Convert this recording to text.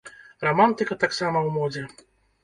Рамантыка таксама ў модзе!